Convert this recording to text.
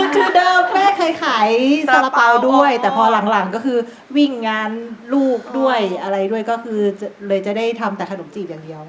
คือเดิมแม่เคยขายสาระเป๋าด้วยแต่พอหลังก็คือวิ่งงานลูกด้วยอะไรด้วยก็คือเลยจะได้ทำแต่ขนมจีบอย่างเดียว